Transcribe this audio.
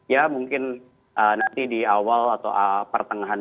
ya mungkin nanti di awal atau pertengahan dua ribu dua puluh tiga